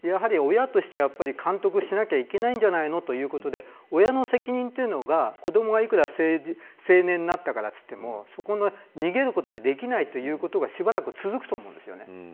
親として、やっぱり監督しなきゃいけないんじゃないということで親の責任が、子どもがいくら成年になったとしても逃げることができないということがしばらく続くと思います。